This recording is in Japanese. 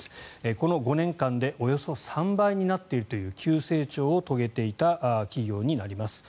この５年間でおよそ３倍になっているという急成長を遂げていた企業になります。